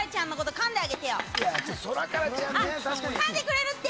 かんでくれるって。